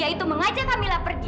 itu mengajak kamila pergi